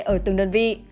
ở tương lai